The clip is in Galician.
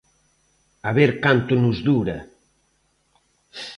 A ver canto nos dura.